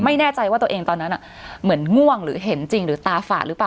ไม่แน่ใจว่าตัวเองตอนนั้นเหมือนง่วงหรือเห็นจริงหรือตาฝาดหรือเปล่า